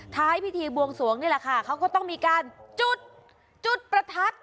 ท้ายวิทยาลัยบวงสวงนี่แหละค่ะเขาก็ต้องมีการจุดประทับ